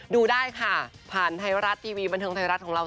ดูได้ค่ะผ่านไทยรัฐทีวีบันเทิงไทยรัฐของเรา